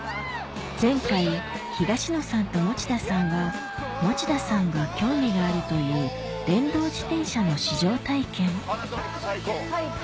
前回東野さんと持田さんは持田さんが興味があるという電動自転車の試乗体験パナソニック最高？